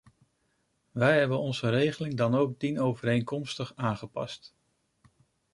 Wij hebben onze regeling dan ook dienovereenkomstig aangepast.